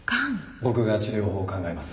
僕が治療法を考えます。